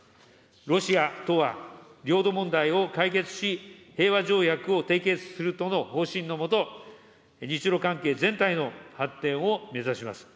ロシアとは領土問題を解決し、平和条約を締結するとの方針の下、日ロ関係全体の発展を目指します。